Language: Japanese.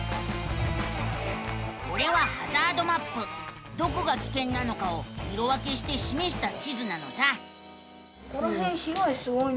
これはどこがきけんなのかを色分けしてしめした地図なのさ。